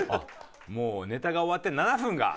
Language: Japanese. もうネタが終わって７分が。